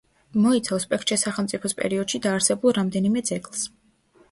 მოიცავს პექჩეს სახელმწიფოს პერიოდში დაარსებულ რამდენიმე ძეგლს.